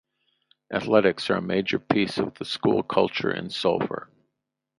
Athletics are a major piece of the school culture in Sulphur.